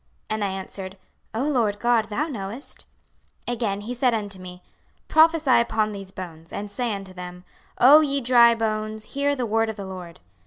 And I answered, O Lord GOD, thou knowest. 26:037:004 Again he said unto me, Prophesy upon these bones, and say unto them, O ye dry bones, hear the word of the LORD.